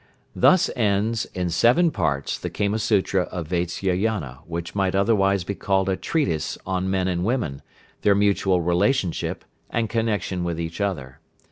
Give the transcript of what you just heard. Thus ends, in seven parts, the Kama Sutra of Vatsyayana, which might otherwise be called a treatise on men and women, their mutual relationship, and connection with each other.